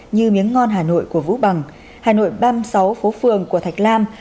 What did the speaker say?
như miếng ngon hà nội của vũ bằng hà nội ba mươi sáu phố phường của thạch lam